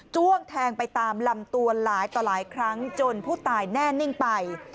้วงแทงไปตามลำตัวหลายต่อหลายครั้งจนผู้ตายแน่นิ่งไป